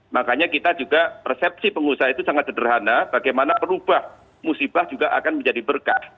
makanya kita juga persepsi pengusaha itu sangat sederhana bagaimana perubahan musibah juga akan menjadi berkah